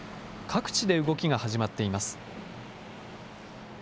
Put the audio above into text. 各地で動きが始まっています。